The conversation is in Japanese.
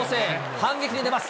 反撃に出ます。